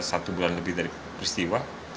satu bulan lebih dari peristiwa